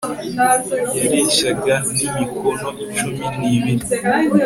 yareshyaga n imikono icumi n'ibiri